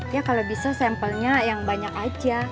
ya kalau bisa sampelnya yang banyak aja